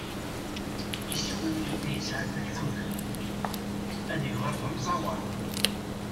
Iswi i yella yesεa-t deg tudert : ad yuɣal d ameẓẓawan.